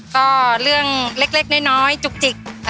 ก็เรื่องเล็กน้อยจุกจิก